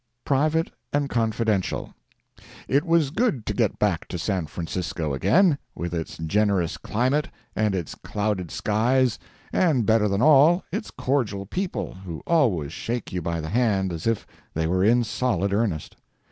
PRIVATE AND CONFIDENTIAL. It was good to get back to San Francisco again, with its generous climate, and its clouded skies—and better than all, its cordial people, who always shake you by the hand as if they were in solid earnest.